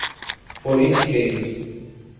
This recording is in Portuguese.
politiqueiros